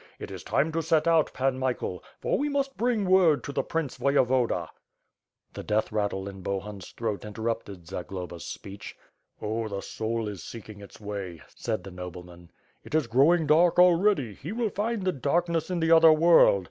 It is time to set out. Pan Michael, for we must bring word to the Prince Voyevoda. The death rattle in Bohun^s throat interrupted Zagloba's speech. "Oh, the soul is seeking its way/' said the nobleman. "It is growing dark already, he will find the darkness in the other world.